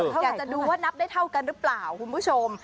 อยากจะดูว่านับได้เท่ากันหรือเปล่าคุณผู้ชม